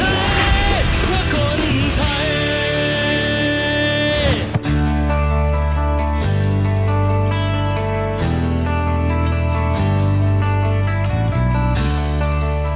เราจะเชียร์บนไทยเพื่อคนไทย